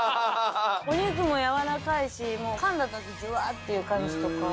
お肉もやわらかいしかんだ時ジュワーっていう感じとか。